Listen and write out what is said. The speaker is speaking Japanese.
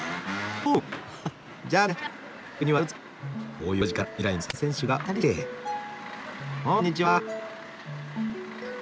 おこんにちは。